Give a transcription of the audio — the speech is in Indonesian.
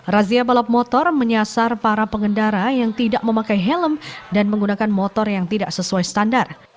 razia balap motor menyasar para pengendara yang tidak memakai helm dan menggunakan motor yang tidak sesuai standar